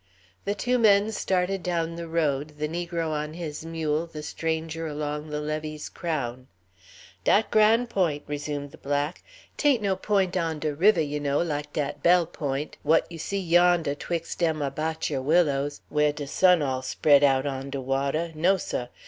The two men started down the road, the negro on his mule, the stranger along the levee's crown. "Dat Gran' Point'," resumed the black; "'tain't no point on de riveh, you know, like dat Bell' Point, w'at you see yondeh 'twixt dem ah batture willows whah de sun all spread out on the wateh; no, seh.